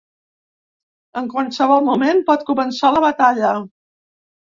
En qualsevol moment pot començar la batalla.